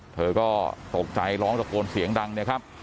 เธอก็ตกใจร้องตะโกนเสียงดังเนี่ยครับ